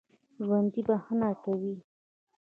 ژوندي بښنه کوي